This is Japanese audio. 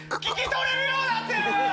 聞き取れるようなってる！